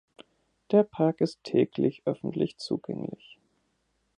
Der Park ist täglich öffentlich zugänglich.